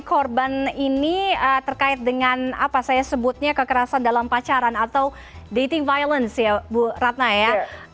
korban ini terkait dengan apa saya sebutnya kekerasan dalam pacaran atau dating violence ya bu ratna ya